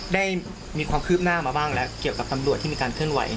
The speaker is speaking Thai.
ได้มีความคืบหน้ามาบ้างแล้วเกี่ยวกับตำรวจที่มีการเคลื่อนไหว